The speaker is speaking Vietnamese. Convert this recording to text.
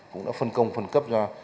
cũng đã phân công phân cấp cho